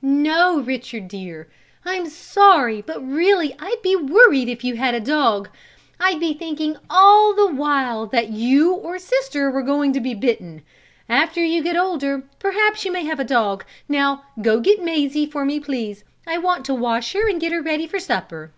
"No, Richard, dear! I'm sorry, but really I'd be worried if you had a dog. I'd be thinking, all the while, that you or Sister were going to be bitten. After you get older, perhaps you may have a dog. Now go get Mazie for me, please. I want to wash her and get her ready for supper."